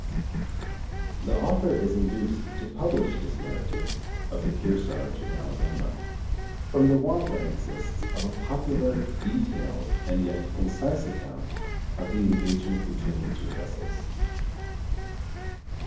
The Author is induced to publish this narrative of the Kearsarge and Alabama, from the want that exists of a popular, detailed, and yet concise account of the engagement between the two vessels.